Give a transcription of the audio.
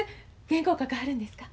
原稿書かはるんですか？